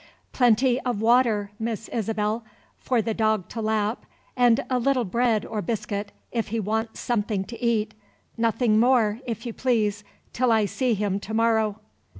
"Plenty of water, Miss Isabel, for the dog to lap, and a little bread or biscuit, if he wants something to eat. Nothing more, if you please, till I see him to morrow."